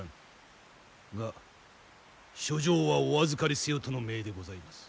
が書状はお預かりせよとの命でございます。